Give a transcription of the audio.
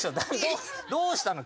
どうしたの？